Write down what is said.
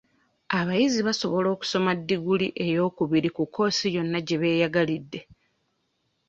Abayizi basobola okusoma ddiguli eyookubiri mu kkoosi yonna gye beeyagalidde.